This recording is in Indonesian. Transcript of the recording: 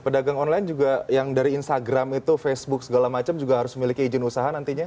pedagang online juga yang dari instagram itu facebook segala macam juga harus memiliki izin usaha nantinya